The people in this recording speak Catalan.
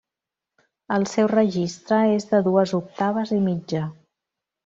El seu registre és de dues octaves i mitja.